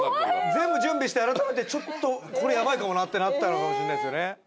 全部準備して改めてちょっとこれやばいかもなってなったのかもしれないですよね。